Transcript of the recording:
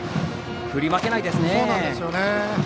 振り負けないですね。